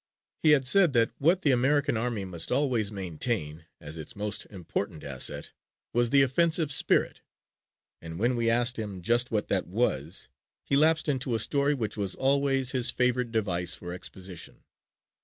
He had said that what the American army must always maintain as its most important asset was the offensive spirit and when we asked him just what that was he lapsed into a story which was always his favorite device for exposition.